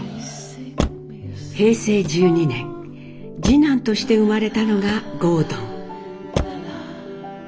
平成１２年次男として生まれたのが郷敦。